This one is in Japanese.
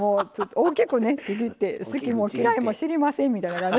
大きくちぎって好きも嫌いも知りませんみたいな感じ。